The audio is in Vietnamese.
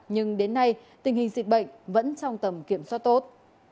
nhưng đến nay tình hình dịch bệnh vẫn trong tầm kiểm soát tốt